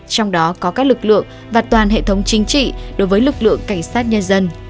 trong đó có các lực lượng và toàn hệ thống chính trị đối với lực lượng cảnh sát nhân dân